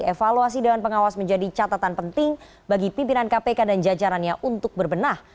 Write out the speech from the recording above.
evaluasi dewan pengawas menjadi catatan penting bagi pimpinan kpk dan jajarannya untuk berbenah